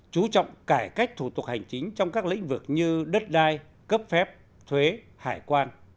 chú trọng cải cách thủ tục hành chính trong các lĩnh vực như đất đai cấp phép thuế hải quan